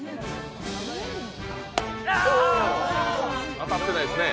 当たってないですね。